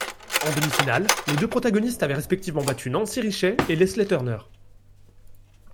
En demi-finale, les deux protagonistes avaient respectivement battu Nancy Richey et Lesley Turner.